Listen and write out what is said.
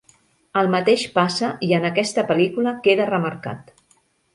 El mateix passa i en aquesta pel·lícula queda remarcat.